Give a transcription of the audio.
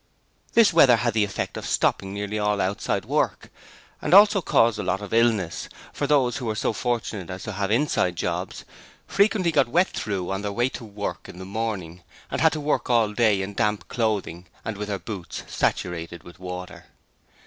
This weather had the effect of stopping nearly all outside work, and also caused a lot of illness, for those who were so fortunate as to have inside jobs frequently got wet through on their way to work in the morning and had to work all day in damp clothing, and with their boots saturated with water.